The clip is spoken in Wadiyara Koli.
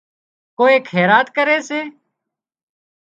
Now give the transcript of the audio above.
ڪوئي خيرات ڪري سي